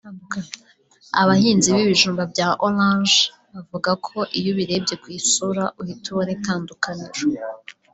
Abahinzi b’ibijumba bya orange bavuga ko n’iyo ubirebye ku isura uhita ubona itandukaniro